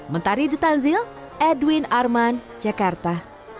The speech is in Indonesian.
mentari di tanzil edwin arman jakarta